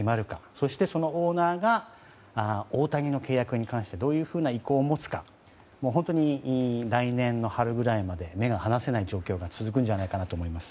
そして、そのオーナーが大谷の契約に関してどういう意向を持つか本当に来年の春ぐらいまで目が離せない状況が続くんじゃないかと思います。